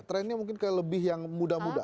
trennya mungkin lebih yang mudah mudah